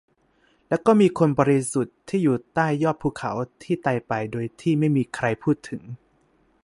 และก็มีคนบริสุทธิ์ที่อยู่ใต้ยอดภูเขาที่ตายไปโดยที่ไม่มีใครพูดถึง